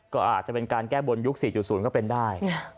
ก็อาจจะเป็นการแก้บนยุค๔๐ก็เป็นได้